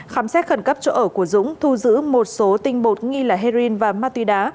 khám xét khẩn cấp chỗ ở của dũng thu giữ một số tinh bột nghi là heroin và ma túy đá